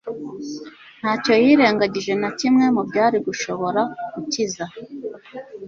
Ntacyo yirengagije na kimwe mu byari gushobora gukiza